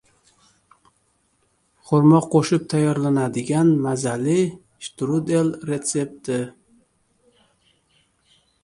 Xurmo qo‘shib tayyorlanadigan mazali shtrudel retsepti